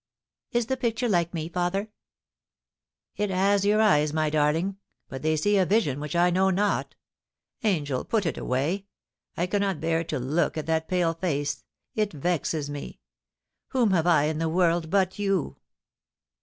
Is the picture like me, father ?It has your eyes, my darling, but they see a vision which I know not Angel, put it away ; I cannot bear to look at that pale face ; it vexes me. Whom have I in the world but you